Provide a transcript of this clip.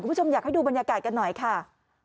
คุณผู้ชมอยากให้ดูบรรยากาศกันหน่อยค่ะ